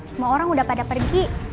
semua orang udah pada pergi